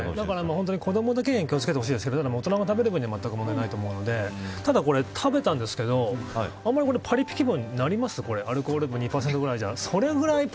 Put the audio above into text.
子どもには気を付けてほしいですけど大人が食べる分にはまったく問題ないと思うのでただ食べたんですけど、あまりパリピ気分になりますか。